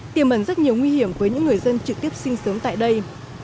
tiềm ẩn rất nhiều nguy hiểm với những người dân trực tiếp sinh sống tại đây